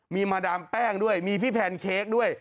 มีมาดามแป้งด้วยมีพี่แพนเค้กด้วย